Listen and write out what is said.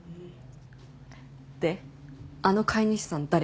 であの飼い主さん誰？